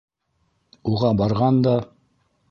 Уға барған да: